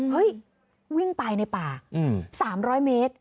เฮ้ยวิ่งไปในป่า๓๐๐เมตร